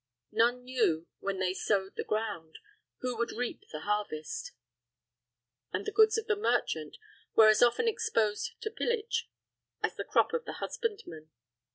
None knew, when they sowed the ground, who would reap the harvest; and the goods of the merchant were as often exposed to pillage as the crop of the husbandman.